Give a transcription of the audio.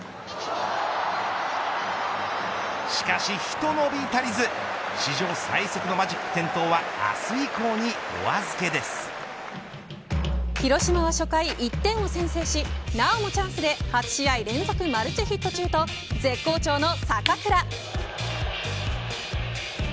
しかしひと伸び足りず史上最速のマジック点灯は広島は初回、１点を先制しなおもチャンスで８試合連続マルチヒット中と絶好調の坂倉。